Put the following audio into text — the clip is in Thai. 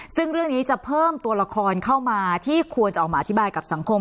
ซึ่งเรื่องนี้จะเพิ่มตัวละครเข้ามาที่ควรจะออกมาอธิบายกับสังคม